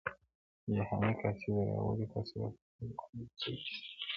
جهاني قاصد را وړي په سرو سترګو څو کیسې دي٫